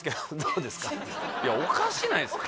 いやおかしないですか？